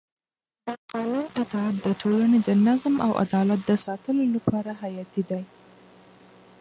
د قانون اطاعت د ټولنې د نظم او عدالت د ساتلو لپاره حیاتي دی